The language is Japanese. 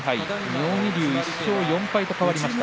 妙義龍は１勝４敗となりました。